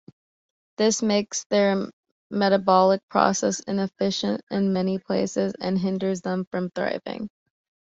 This makes their metabolic process inefficient in many places and hinders them from thriving.